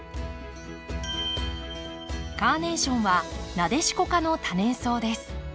カーネーションはナデシコ科の多年草です。